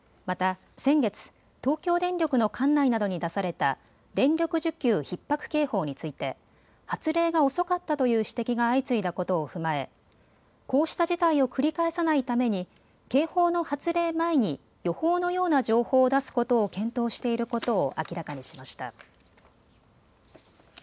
また先月、東京電力の管内などに出された電力需給ひっ迫警報について発令が遅かったという指摘が相次いだことを踏まえこうした事態を繰り返さないために警報の発令前に予報のような情報を出すことを検討していることを明らかにしました。